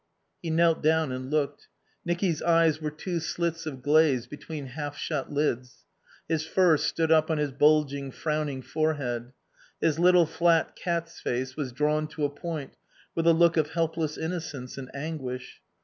He knelt down and looked. Nicky's eyes were two slits of glaze between half shut lids. His fur stood up on his bulging, frowning forehead. His little, flat cat's face was drawn to a point with a look of helpless innocence and anguish.